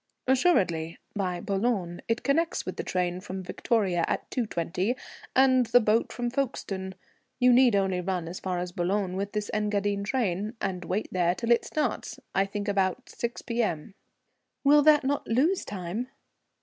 "Assuredly by Boulogne. It connects with the train from Victoria at 2.20 and the boat from Folkestone. You need only run as far as Boulogne with this Engadine train, and wait there till it starts. I think about 6 P.M." "Will that not lose time?"